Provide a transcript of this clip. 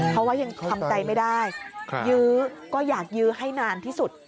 เพราะว่ายังทำใจไม่ได้ยื้อก็อยากยื้อให้นานที่สุด